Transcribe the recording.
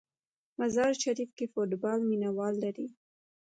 مزار شریف کې فوټبال مینه وال لري.